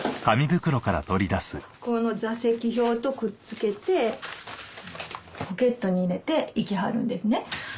この座席表とくっつけてポケットに入れて行きはるんですね。